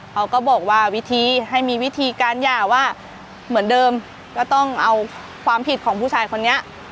เขาก็บอกว่าวิธีให้มีวิธีการหย่าว่าเหมือนเดิมก็ต้องเอาความผิดของผู้ชายคนนี้